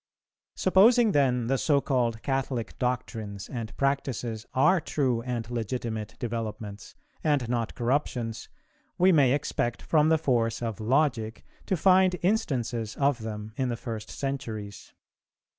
Supposing then the so called Catholic doctrines and practices are true and legitimate developments, and not corruptions, we may expect from the force of logic to find instances of them in the first centuries.